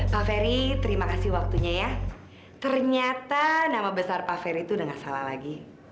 pak ferry terima kasih waktunya ya ternyata nama besar pak ferry itu udah gak salah lagi